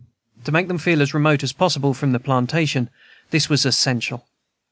To make them feel as remote as possible from the plantation, this was essential.